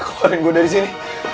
keluarin gua dari sini